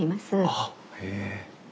あっへえ。